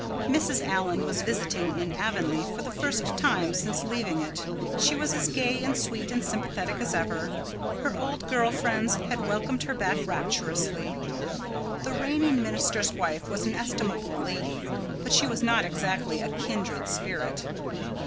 Mrs. Allan was visiting in Avonlea, for the first time since leaving it. She was as gay and sweet and sympathetic as ever. Her old girl friends had welcomed her back rapturously. The reigning minister's wife was an estimable lady, but she was not exactly a kindred spirit.